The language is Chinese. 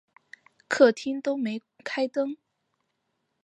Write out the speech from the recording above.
客厅都没开灯